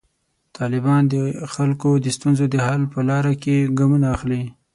طالبان د خلکو د ستونزو د حل په لاره کې ګامونه اخلي.